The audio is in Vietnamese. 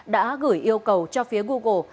đã gửi yêu cầu cho phía google